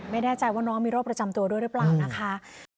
ไม่แน่ใจว่าน้องมีโรคประจำตัวด้วยหรือเปล่านะคะ